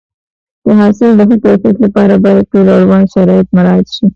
د حاصل د ښه کیفیت لپاره باید ټول اړوند شرایط مراعات شي.